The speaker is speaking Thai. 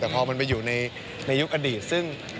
แต่พอมันไปอยู่ในยุคอดีตซึ่ง